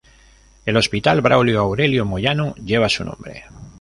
El Hospital Braulio Aurelio Moyano lleva su nombre.